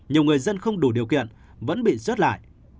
nhiều người dân không đủ điều kiện vẫn bị rớt lại